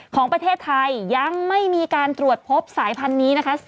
ของประเทศไทยยังไม่มีการตรวจพบสายพันธุ์นี้นะคะ